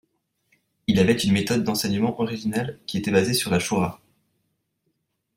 Il avait une méthode d'enseignement originale qui était basée sur la Shûrâ.